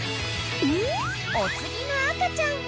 ［お次の赤ちゃんは］